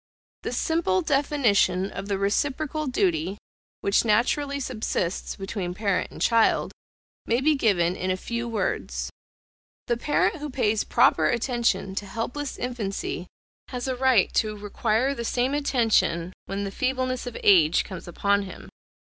The simple definition of the reciprocal duty, which naturally subsists between parent and child, may be given in a few words: The parent who pays proper attention to helpless infancy has a right to require the same attention when the feebleness of age comes upon him.